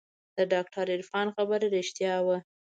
د ډاکتر عرفان خبره رښتيا وه.